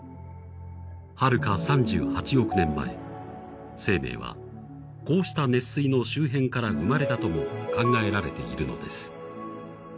はるか３８億年前、生命はこうした熱水の周辺から生まれたとも考えられているのです。